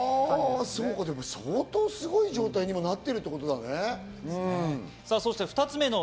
相当すごい状態に今なってるってことだね。